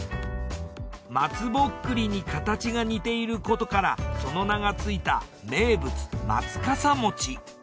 松ぼっくりに形が似ていることからその名がついた名物まつかさ餅。